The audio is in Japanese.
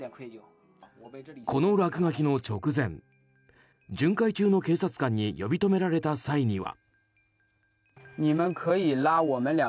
この落書きの直前巡回中の警察官に呼び止められた際には。